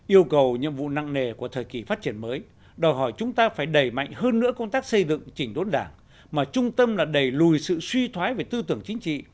yêu cầu nhiệm vụ nặng nề của thời kỳ phát triển mới đòi hỏi chúng ta phải đẩy mạnh hơn nữa công tác xây dựng chỉnh đốn đảng mà trung tâm là đẩy lùi sự suy thoái về tư tưởng chính trị